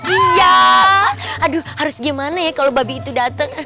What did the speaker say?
iya aduh harus gimana ya kalo babi itu dateng